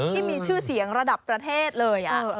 ที่มีชื่อเสียงระดับประเทศเลย